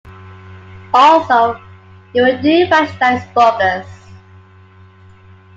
Also, you will do much that is bogus.